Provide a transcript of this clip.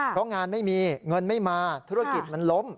เพราะงานไม่มีเงินไม่มาธุรกิจมันล้ม